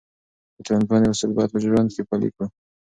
د ټولنپوهنې اصول باید په ژوند کې پلي کړو.